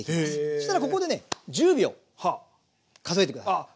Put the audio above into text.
そしたらここでね１０秒数えて下さい。